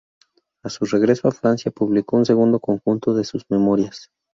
A su regreso a Francia, publicó un segundo conjunto de sus memorias.